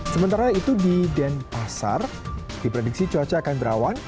sementara itu di denpasar diprediksi cuaca akan berawan